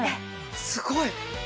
すごい！